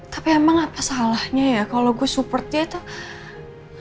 tapi emang apa salahnya ya kalau gue support dia tuh